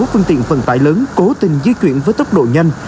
các phương tiện phần tải lớn cố tình di chuyển với tốc độ nhanh